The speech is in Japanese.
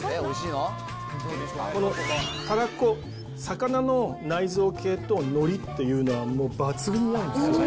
このたらこ、魚の内臓系とのりっていうのは、もう抜群なんですよ。